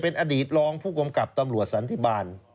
เป็นอดีตรองผู้กำกับตำรวจสันติบาล